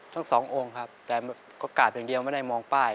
ทั้งสององค์ครับแต่ก็กราบอย่างเดียวไม่ได้มองป้าย